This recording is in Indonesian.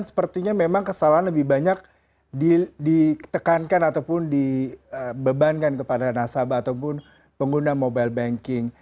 sepertinya memang kesalahan lebih banyak ditekankan ataupun dibebankan kepada nasabah ataupun pengguna mobile banking